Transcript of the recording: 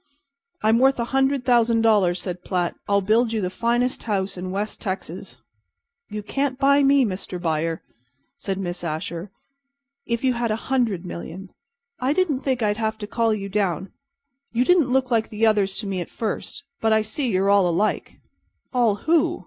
"I'm worth a hundred thousand dollars," said Platt. "I'll build you the finest house in West Texas." "You can't buy me, Mr. Buyer," said Miss Asher, "if you had a hundred million. I didn't think I'd have to call you down. You didn't look like the others to me at first, but I see you're all alike." "All who?"